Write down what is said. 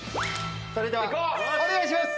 それではお願いします！